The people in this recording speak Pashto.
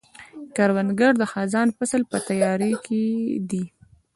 کروندګر د خزان فصل په تیاري کې دی